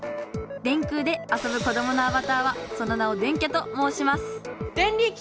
電空で遊ぶ子どものアバターはその名を「電キャ」ともうしますデンリキ！